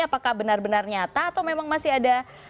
apakah benar benar nyata atau memang masih ada